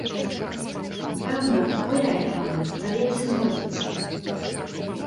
Пэўна, гуляе пан, але ці згодзіцца?